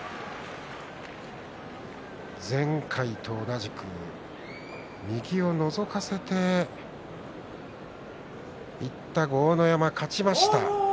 前回と同じく右をのぞかせていった豪ノ山、勝ちました。